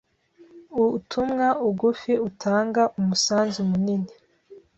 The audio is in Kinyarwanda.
Uutumwa ugufi utanga umusanzu munini